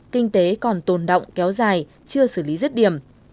kinh tế còn tồn động kéo dài chưa xử lý rứt điểm